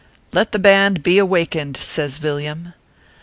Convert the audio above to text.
" Let the band be awakened," says Villiam.